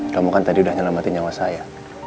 kamu kan tadi udah nyelamatin nyawa saya